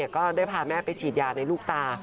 ก็ได้พาแม่ไปฉีดยาในลูกตา